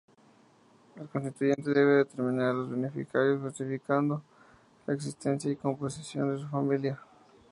El constituyente debe determinar los beneficiarios, justificando la existencia y composición de su familia.